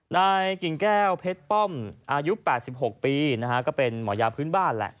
นายกิ่งแก้วเพชรป้อมอายุ๘๖ปีนะฮะก็เป็นหมอยาพื้นบ้านแหละ